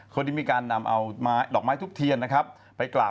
ก็นี่เขาไหวอย่างนั้น